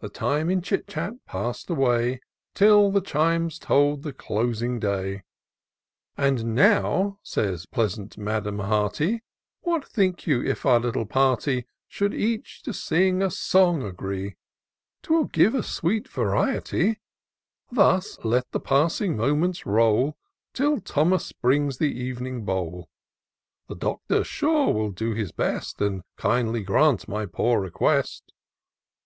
The time in chit chat pass'd away, Till the chimes told the closing day :" And now," says pleasant Madam Hearty, " What think you, if our little party Should each to sing a song agree ? Twill give a sweet variety. Thus let the passing moments roll, Till Thomas brings the ev'ning bowl ; The Doctor, sure, will do his best. And kindly grant my poor request."